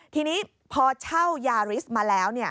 ทีนี้พอเช่ายาริสมาแล้ว